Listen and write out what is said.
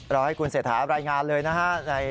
รอให้คุณเศรษฐารายงานเลยนะฮะ